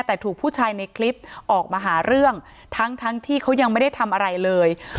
แต่ถูกผู้ชายในคลิปออกมาหาเรื่องทั้งที่เขายังไม่ได้ทำอะไรเลย